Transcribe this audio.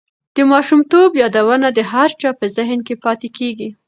د ماشومتوب یادونه د هر چا په زهن کې پاتې کېږي.